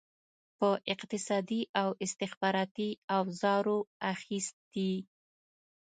په اقتصادي او استخباراتي اوزارو اخیستي.